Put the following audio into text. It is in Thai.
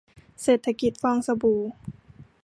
เศรษฐกิจฟองสบู่